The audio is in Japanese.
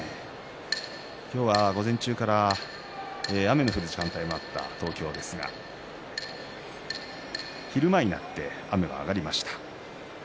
今日は午前中から雨の降る時間帯もあった東京ですが昼前になって雨が上がりました。